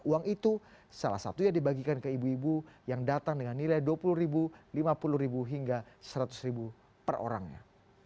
uang itu salah satunya dibagikan ke ibu ibu yang datang dengan nilai dua puluh ribu lima puluh ribu hingga seratus ribu per orangnya